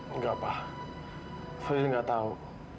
enggak pak fadil enggak tahu